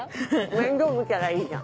面倒見たらいいじゃん。